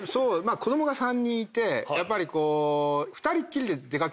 子供が３人いてやっぱりこう。